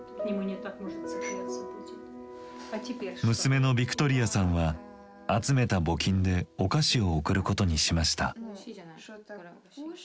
娘のヴィクトリヤさんは集めた募金でお菓子を送ることにしました。